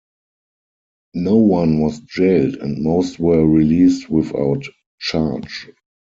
No one was jailed and most were released without charge.